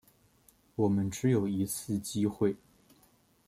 我们只有一次机会